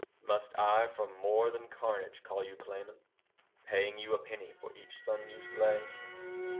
Must I for more than carnage call you claimant, Paying you a penny for each son you slay?